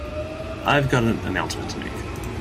Iâve got an announcement to make.